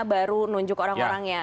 baru nunjuk orang orangnya